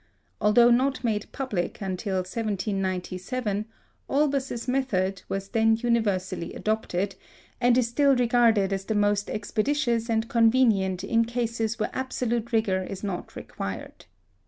Although not made public until 1797, "Olbers's method" was then universally adopted, and is still regarded as the most expeditious and convenient in cases where absolute rigour is not required.